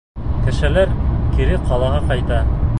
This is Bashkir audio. Кешеләр кире ҡалаға ҡайта.